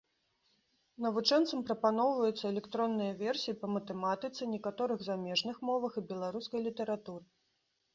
Навучэнцам прапаноўваюцца электронныя версіі па матэматыцы, некаторых замежных мовах і беларускай літаратуры.